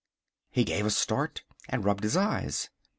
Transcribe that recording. He gave a start and rubbed his eyes.